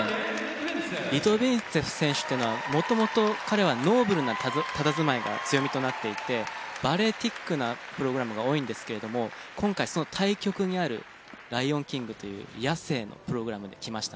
リトビンツェフ選手というのはもともと彼はノーブルなたたずまいが強みとなっていてバレエチックなプログラムが多いんですけれども今回その対極にある『ライオン・キング』という野性のプログラムできましたね。